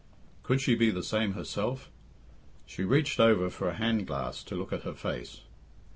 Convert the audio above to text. Could she be the same herself? She reached over for a hand glass to look at her face.